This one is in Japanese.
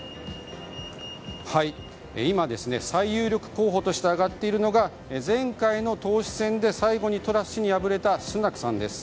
今、最有力候補として挙がっているのが前回の党首選で最後にトラス氏に敗れたスナクさんです。